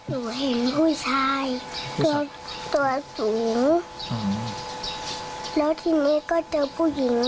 หนูเห็นผู้ชายตัวสูง